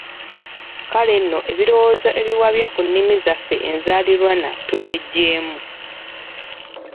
Kale nno ebirowoozo ebiwabya ku nnimi zaffe enzaaliranwa tubyeggyemu.